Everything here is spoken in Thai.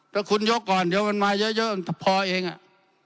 ถ้าคุณยกก่อนเดี๋ยวมันมาเยอะพอเองอ่ะ